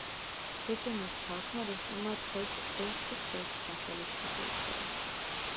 ვირჯინიის ქალაქმა რესტონმა დღეს ერთი დღით სახელიც კი შეიცვალა.